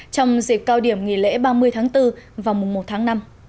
trong dịp cao điểm nghỉ lễ ba mươi tháng bốn vào mùng một tháng năm